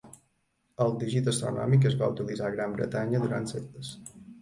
El dígit astronòmic es va utilitzar a Gran Bretanya durant segles.